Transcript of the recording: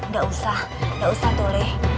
gak usah gak usah toleh